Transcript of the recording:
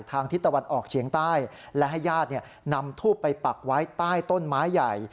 ทิศตะวันออกเฉียงใต้และให้ญาตินำทูบไปปักไว้ใต้ต้นไม้ใหญ่